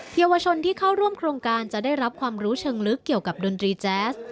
เยาวชนที่เข้าร่วมโครงการจะได้รับความรู้เชิงลึกเกี่ยวกับดนตรีแจ๊ส